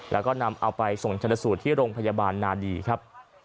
แล้วก็นำเอาไปส่งชนสูตรที่โรงพยาบาลนาดีครับ